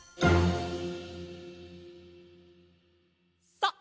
さあ